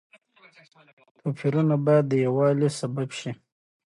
توپيرونه بايد د يووالي سبب شي.